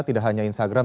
tidak hanya instagram